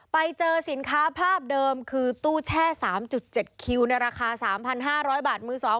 ไปเจอสินค้าภาพเดิมคือตู้แช่๓๗คิวในราคา๓๕๐๐บาทมือสอง